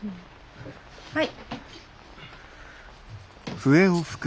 はい。